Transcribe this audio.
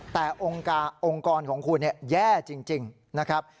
แต่องค์กรของคุณแย่จริงนะครับ